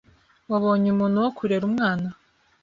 Wabonye umuntu wo kurera umwana?